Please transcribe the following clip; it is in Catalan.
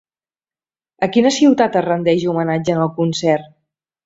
A quina ciutat es rendeix homenatge en el concert?